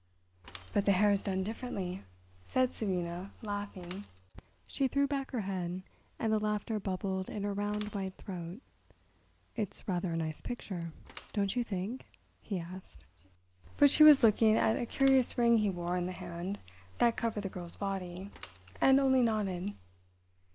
"But the hair's done differently," said Sabina, laughing. She threw back her head, and the laughter bubbled in her round white throat. "It's rather a nice picture, don't you think?" he asked. But she was looking at a curious ring he wore on the hand that covered the girl's body, and only nodded.